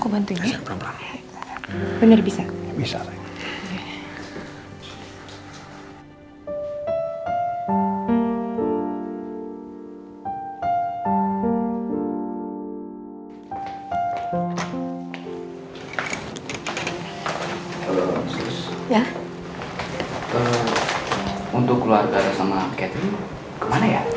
untuk keluarga sama katrin kemana ya